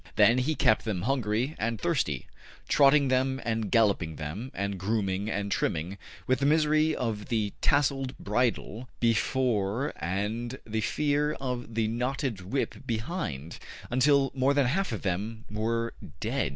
Then he kept them hungry and thirsty, trotting them and galloping them, and grooming, and trimming, with the misery of the tasselled bridle before and the fear of the knotted whip behind, until more than half of them were dead.